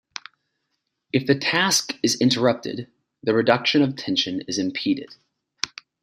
If the task is interrupted, the reduction of tension is impeded.